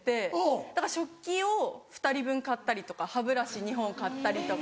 だから食器を２人分買ったりとか歯ブラシ２本買ったりとか。